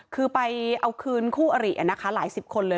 คือไปเอาคืนคู่อรินะคะหลายสิบคนเลย